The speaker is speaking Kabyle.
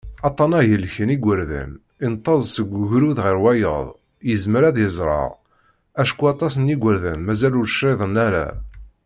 Aṭṭan-a, ihelken yigerdan, ineṭṭeḍ seg ugrud ɣer wayeḍ, yezmer ad yezreɛ, acku aṭas n yigerdan mazal ur criḍen ara.